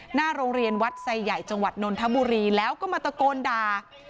หน้าโรงเรียนวัดไซใหญ่จังหวัดนนทบุรีแล้วก็มาตะโกนด่า